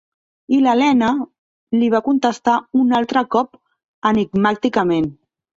I l'Helena li va contestar un altre cop enigmàticament.